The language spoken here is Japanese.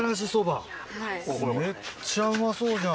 ほらめっちゃうまそうじゃん。